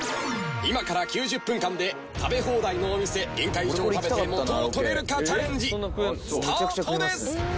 今から９０分間で食べ放題のお店原価以上食べて元を取れるかチャレンジスタートです。